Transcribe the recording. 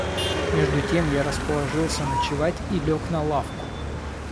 Между тем я расположился ночевать и лег на лавку.